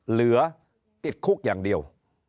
เหลือติดคุกอย่างเดียว